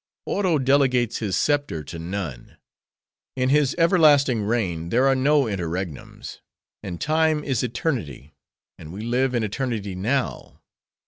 Oro delegates his scepter to none; in his everlasting reign there are no interregnums; and Time is Eternity; and we live in Eternity now.